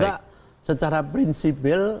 dan juga dari sisi sipil